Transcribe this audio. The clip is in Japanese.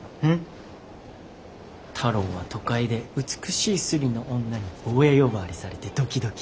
太郎は都会で美しいスリの女に坊や呼ばわりされてドキドキしてるって。